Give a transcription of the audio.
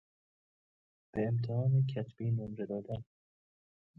به امتحان کتبی نمره دادن